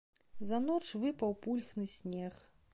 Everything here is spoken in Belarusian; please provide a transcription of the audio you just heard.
За ноч выпаў пульхны снег.